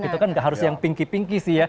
itu kan harus yang pinky pinky sih ya